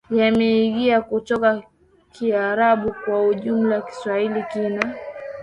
yameingia kutoka Kiarabu Kwa ujumla Kiswahili kina